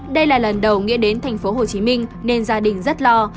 đây là lần đầu nghĩa đến tp hcm nên gia đình rất lo